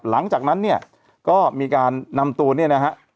หลังจากนั้นเนี่ยก็มีการนำตัวเนี่ยนะฮะ